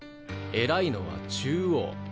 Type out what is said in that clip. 偉いのは中央。